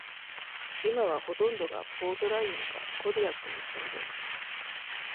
今はほとんどがポートライオンかコディアックに住んでいます。